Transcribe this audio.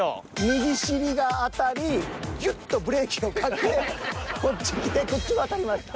右尻が当たりギュッとブレーキをかけこっち来てこっちも当たりました。